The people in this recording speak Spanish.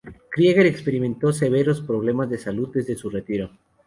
Krieger experimentó severos problemas de salud desde su retiro.